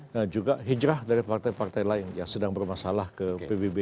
nah juga hijrah dari partai partai lain yang sedang bermasalah ke pbb